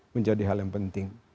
menjadi hal yang penting